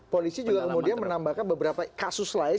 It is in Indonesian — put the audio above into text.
polisi juga kemudian menambahkan beberapa kasus lain